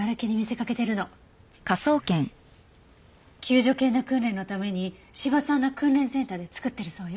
救助犬の訓練のために斯波さんの訓練センターで作ってるそうよ。